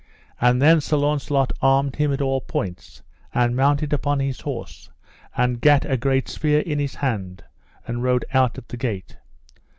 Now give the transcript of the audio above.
And then Sir Launcelot armed him at all points, and mounted upon his horse, and gat a great spear in his hand, and rode out at the gate.